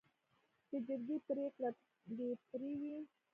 د جرګې پریکړه بې پرې وي.